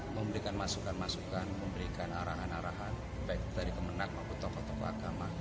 memberikan masukan masukan memberikan arahan arahan baik dari kemenang maupun tokoh tokoh agama